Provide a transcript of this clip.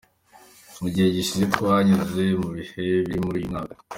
Mu gihe gishize twanyuze mu bihe bibi muri uyu mwaka.